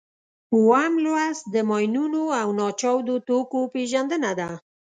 اووم لوست د ماینونو او ناچاودو توکو پېژندنه ده.